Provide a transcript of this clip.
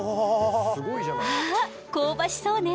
あ香ばしそうね。